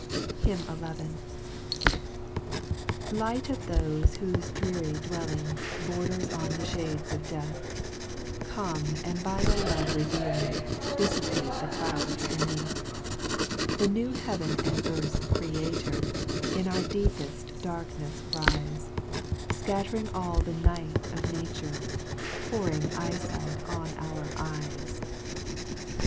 HYMN XI. 1 TT IGHT of thofe whofe dreary dwelling JLj Borders on the ihades of death, Come, and by thy love revealing, Dillipate the clouds beneath : The new heaven and earth's Creator, In our deepeft darknefs rife, Scattering all the night of nature, Pouring eye fight on our eyes.